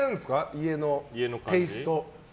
家のテイストは。